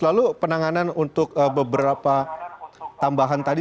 lalu penanganan untuk beberapa tambahan tadi